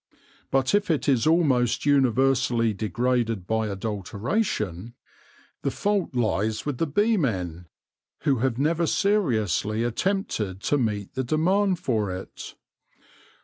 But if it is almost universally degraded by adulteration, the fault lies with the BEE KEEPING AND THE SIMPLE LIFE 185 beemen, who have never seriously attempted to meet the demand for it.